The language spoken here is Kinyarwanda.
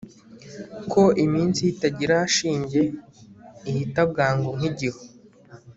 ko iminsi ye itagira shinge ihita bwangu nk'igihu